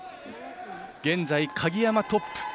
現在、鍵山トップ。